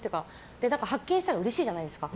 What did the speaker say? で、発見したらうれしいじゃないですか。